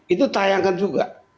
itu tayangkan juga